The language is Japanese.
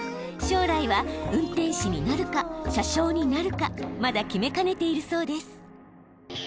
将来は運転士になるか車掌になるかまだ決めかねているそうです。